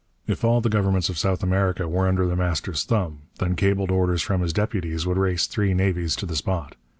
If all the governments of South America were under The Master's thumb, then cabled orders from his deputies would race three navies to the spot.